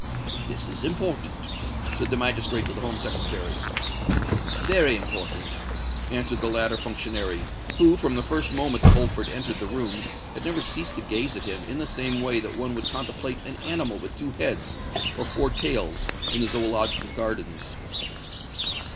"This is important," said the magistrate to the Home Secretary. "Very important," answered the latter functionary, who, from the first moment that Holford entered the room, had never ceased to gaze at him in the same way that one would contemplate an animal with two heads, or four tails, in the Zoological Gardens.